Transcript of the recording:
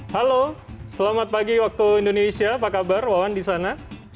halo selamat pagi waktu indonesia apa kabar wawan di sana